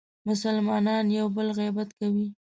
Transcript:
مسلمانان یو بل غیبت کوي.